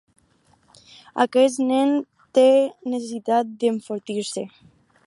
Aquest nen té necessitat d'enfortir-se.